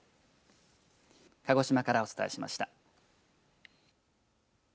鹿児島からお伝えしました。